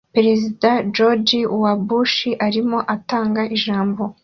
Perezida George W Bush arimo atanga ijambo